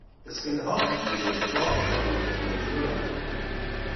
اسکلهها انگشتوار در رودخانه جلو رفته بودند.